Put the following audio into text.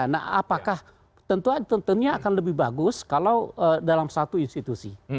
nah apakah tentunya akan lebih bagus kalau dalam satu institusi